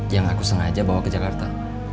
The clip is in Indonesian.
yang aku sengaja bawa ke jakarta